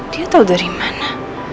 dia tau dari mana